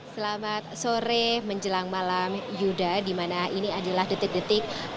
selamat sore menjelang malam yuda di mana ini adalah detik detik